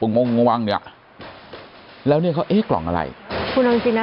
มงวงมงวงเนี่ยแล้วเนี่ยเขาเอ๊ะกล่องอะไรคุณดังจริงนะ